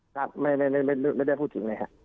ครับไม่ได้พูดถึงเลยครับ